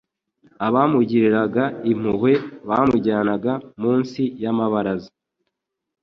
Abamugiriraga impuhwe bamujyanaga munsi y'amabaraza